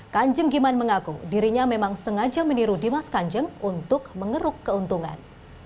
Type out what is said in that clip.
kanjeng giman mengaku dirinya memang sengaja meniru dimas kanjeng untuk mengeruk keuntungan